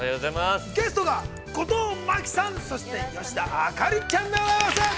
ゲストが、後藤真希さん、そして吉田朱里ちゃんでございます！